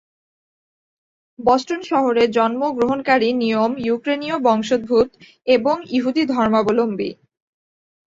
Boston শহরে জন্ম গ্রহণকারী নিময় ইউক্রেনীয় বংশোদ্ভূত, এবং ইহুদী ধর্মাবলম্বী।